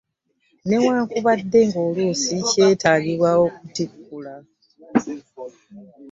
Newankubadde ng'olusi kyetagibwa okukittikula .